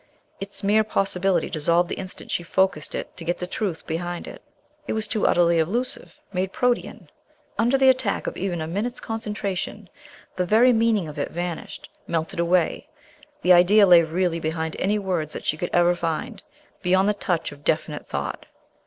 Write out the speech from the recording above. Its mere possibility dissolved the instant she focused it to get the truth behind it. It was too utterly elusive, made, protæan. Under the attack of even a minute's concentration the very meaning of it vanished, melted away. The idea lay really behind any words that she could ever find, beyond the touch of definite thought.